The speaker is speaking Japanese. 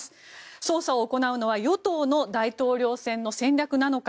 捜査を行うのは与党の大統領選の戦略なのか。